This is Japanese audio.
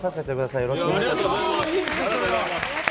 よろしくお願いします。